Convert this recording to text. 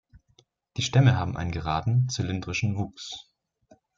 Die Stämme haben einen geraden, zylindrischen Wuchs.